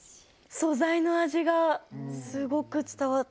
素材の味がすごく伝わって。